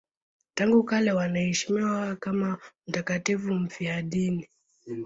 Tangu kale wanaheshimiwa kama mtakatifu mfiadini.